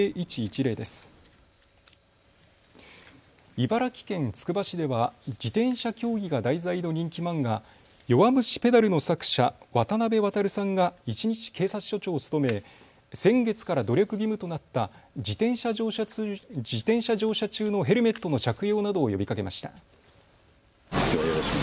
茨城県つくば市では自転車競技が題材の人気漫画、弱虫ペダルの作者、渡辺航さんが一日警察署長を務め先月から努力義務となった自転車乗車中のヘルメットの着用などを呼びかけました。